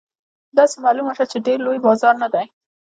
داسې معلومه شوه چې ډېر لوی بازار نه دی.